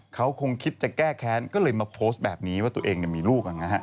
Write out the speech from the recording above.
เขาคงคิดจะแก้แค้นก็เลยมาโพสต์แบบนี้ว่าตัวเองมีลูก